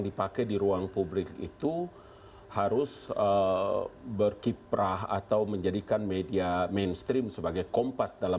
dipakai di ruang publik itu harus berkiprah atau menjadikan media mainstream sebagai kompas dalam